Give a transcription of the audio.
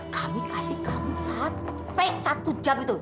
kami kasih kamu sampai satu jam itu